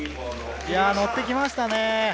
乗ってきましたね。